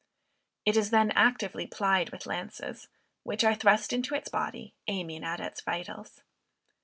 It is then actively plied with lances, which are thrust into its body, aiming at its vitals.